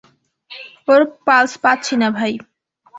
ওর pulse পাচ্ছি না, ভাই।